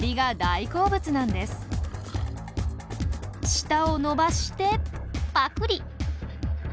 舌を伸ばしてパクリ！